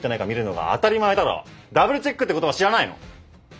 ダブルチェックって言葉知らないの？